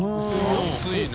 △薄いね。